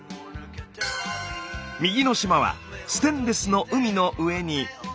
右の島はステンレスの海の上に。